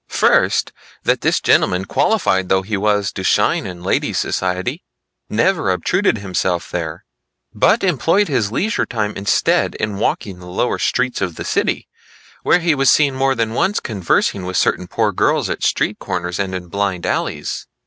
First, that this gentleman qualified though he was to shine in ladies' society, never obtruded himself there, but employed his leisure time instead, in walking the lower streets of the city, where he was seen more than once conversing with certain poor girls at street corners and in blind alleys.